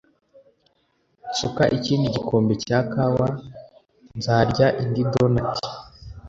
Nsuka ikindi gikombe cya kawa nzarya indi donut